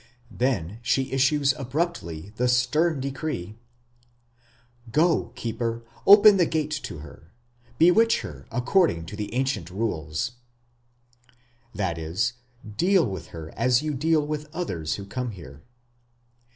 Then she issues abruptly the stern decree: Go, keeper, open the gate to her, Bewitch her according to the ancient rules; that is, "Deal with her as you deal with others who come here".